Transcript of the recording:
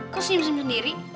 kok senyum senyum sendiri